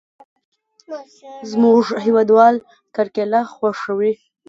زموږ هېوادوال کرکېله خوښوي.